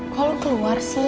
kok lu keluar sih